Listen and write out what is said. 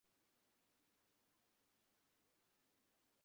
কিন্তু এ যে বড়ো শক্ত কথা।